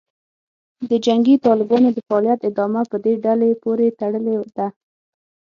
د جنګي طالبانو د فعالیت ادامه په دې ډلې پورې تړلې ده